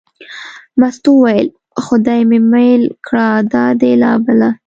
مستو وویل: خدای مې مېل کړه دا دې لا بله.